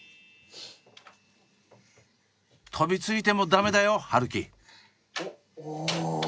飛びついてもダメだよ春輝。